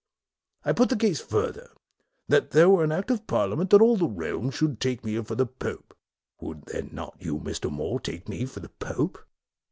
" I put the case further, that there were an Act of Parliament that all the Realm should take me for the pope, would then not you, Mr. More, take me for the pope?